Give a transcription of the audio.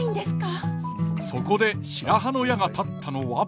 そこで白羽の矢が立ったのは。